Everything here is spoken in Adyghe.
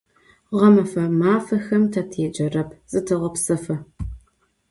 Ğemefe mafexem te têcerep, zıteğepsefı.